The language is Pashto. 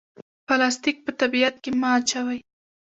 پلاستیک په طبیعت کې مه اچوئ